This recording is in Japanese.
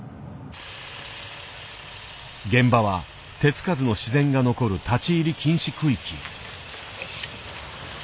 現場は手付かずの自然が残る立ち入り禁止区域。